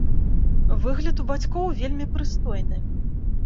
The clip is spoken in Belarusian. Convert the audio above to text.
Выгляд у бацькоў вельмі прыстойны.